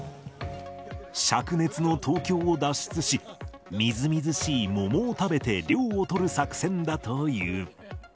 しゃく熱の東京を脱出し、みずみずしい桃を食べて、涼を取る作戦だという。